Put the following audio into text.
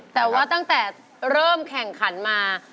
แต่ว่าตั้งแต่เริ่มแข่งขันมา